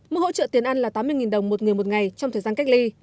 mức hỗ trợ tiền ăn là tám mươi đồng một người một ngày trong thời gian cách ly